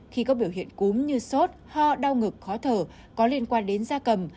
khi có biểu hiện cúm như sốt ho đau ngực khó thở có liên quan đến da cầm